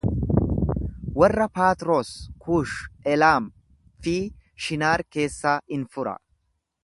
Warra Paatros, Kuush, Elaam fi Shinaar keessaa in fura.